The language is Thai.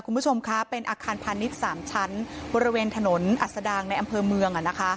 คุณผู้ชมคะเป็นอาคารพาณิชย์๓ชั้นบริเวณถนนอัศดางในอำเภอเมือง